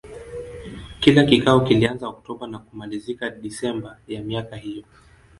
Kila kikao kilianza Oktoba na kumalizika Desemba ya miaka hiyo.